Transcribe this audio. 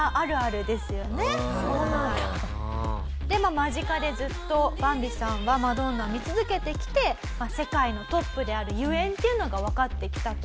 間近でずっとバンビさんはマドンナを見続けてきて世界のトップであるゆえんというのがわかってきたと。